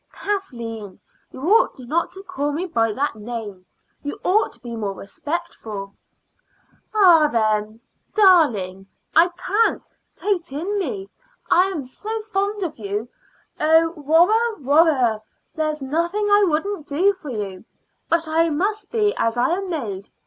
"Kathleen, you ought not to call me by that name. You ought to be more respectful." "Arrah, then, darling, I can't; 'tain't in me. I am so fond of you oh, worra, worra! there's nothing I wouldn't do for you; but I must be as I'm made.